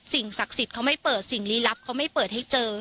ศักดิ์สิทธิ์เขาไม่เปิดสิ่งลี้ลับเขาไม่เปิดให้เจอ